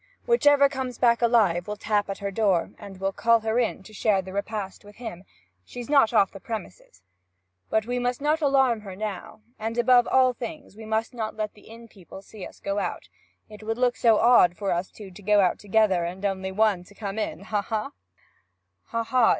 Whichever comes back alive will tap at her door, and call her in to share the repast with him she's not off the premises. But we must not alarm her now; and above all things we must not let the inn people see us go out; it would look so odd for two to go out, and only one come in. Ha! ha!' 'Ha! ha!